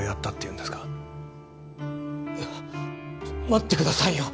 待ってくださいよ。